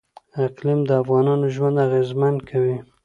اقلیم د افغانانو ژوند اغېزمن کوي.